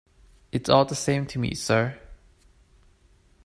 It is all the same to me, sir.